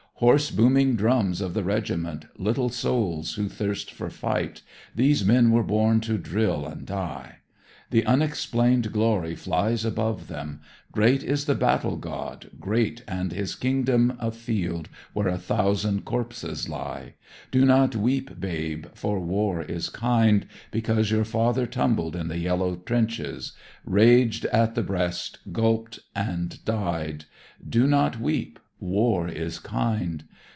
Hoarse booming drums of the regiment, Little souls who thirst for fight, These men were born to drill and die. The unexplained glory flies above them. Great is the battle god, great, and his kingdom A field where a thousand corpses lie. Do not weep, babe, for war is kind, Because your father tumbled in the yellow trenches, Raged at the breast, gulped and died. Do not weep, War is kind.